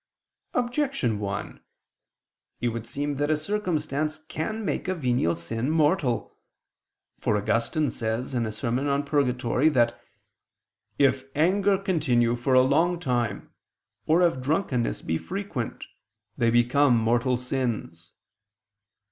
Objection 1: It would seem that a circumstance can make a venial sin mortal. For Augustine says in a sermon on Purgatory (De Sanctis, serm. xli) that "if anger continue for a long time, or if drunkenness be frequent, they become mortal sins."